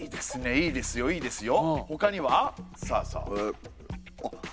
いいですよいいですよ。